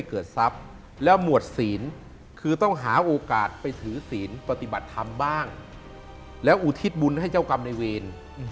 เกิดทรัพย์แล้วหมวดศีลคือต้องหาโอกาสไปถือศีลปฏิบัติธรรมบ้างแล้วอุทิศบุญให้เจ้ากรรมในเวร